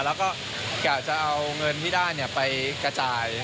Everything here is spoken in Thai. แล้วก็กะจะเอาเงินที่ได้ไปกระจาย